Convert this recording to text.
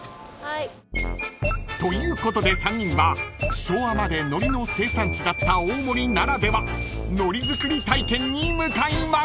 ［ということで３人は昭和まで海苔の生産地だった大森ならでは海苔作り体験に向かいます］